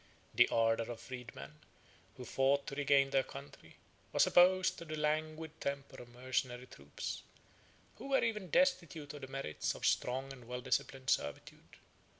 The ardor of freedmen, who fought to regain their country, was opposed to the languid temper of mercenary troops, who were even destitute of the merits of strong and well disciplined servitude.